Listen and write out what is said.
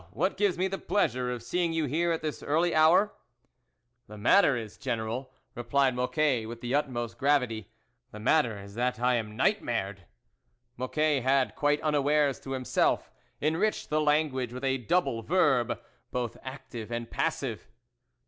what gives me the pleasure of seeing you here at this early hour ?"" The matter is, General," replied Mocquet with the utmost gravity, " the matter is that I am nightmared." Mocquet had, quite unawares to him self, enriched the language with a double verb, both active and passive.